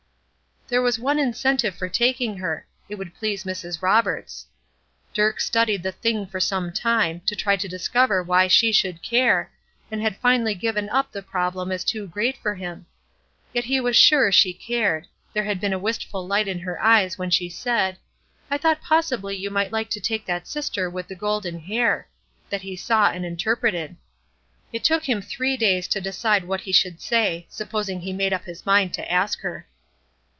There was one incentive for taking her; it would please Mrs. Roberts. Dirk studied the thing for some time, to try to discover why she should care, and had finally given up the problem as too great for him. Yet he was sure she cared; there had been a wistful light in her eyes when she said, "I thought possibly you might like to take that sister with the golden hair," that he saw and interpreted. It took him three days to decide what he should say, supposing he made up his mind to ask her.